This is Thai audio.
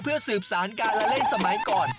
เพื่อสืบสารการเล่นสมัยก่อน